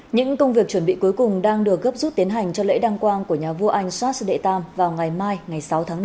những công việc chuẩn bị cuối cùng đang được gấp rút tiến hành cho lễ đăng quang của nhà vua anh chat sệ tam vào ngày mai ngày sáu tháng năm